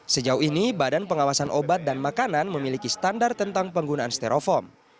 sejauh ini badan pengawasan obat dan makanan memiliki standar tentang penggunaan stereofoam